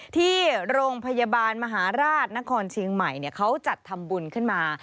ที่โรงพยาบาลมหาราชนครเชียงใหม่เขาจัดทำบุญขึ้นมา